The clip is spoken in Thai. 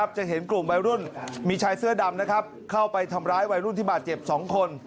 จะเห็นกลุ่มวัยรุ่นมีชายเสื้อดำเข้าไปทำร้ายวัยรุ่นที่บาดเจ็บ๒คน